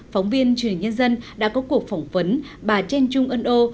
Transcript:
phóng viên truyền hình nhân dân đã có cuộc phỏng vấn bà trang chung ân âu